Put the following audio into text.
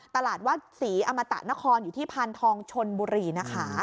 ตลาดวัดศรีอมตะนครอยู่ที่พานทองชนบุรีนะคะ